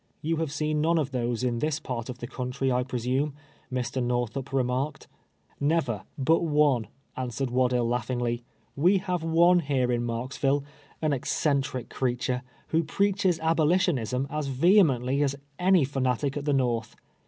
" You have seen none of those in this part of the country, I presume 'j" Mr. iS'orthup re marked. " Never, but one," answered "Waddill, langliingly. " We have one here in Marksville, an eccentric crea ture, who preaches abolitionism as vehemently as any fanatic at the Xorth.